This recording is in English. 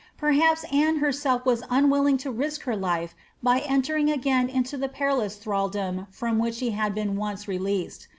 Perhaps Anoe hnvdf was unwilling to risk her life by entering again into the periloas thml dom from which she had been once released.